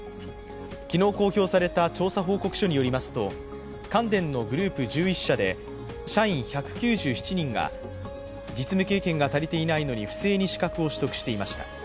昨日公表された調査報告書によりますと関電のグループ１１社で社員１９７人が実務経験が足りていないのに不正に資格を取得していました。